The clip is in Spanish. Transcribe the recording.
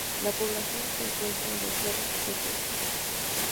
La población se encuentra en el cerro "Tepetl".